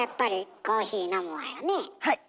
はい。